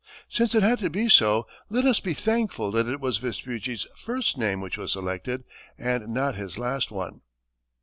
Since it had to be so, let us be thankful that it was Vespucci's first name which was selected, and not his last one.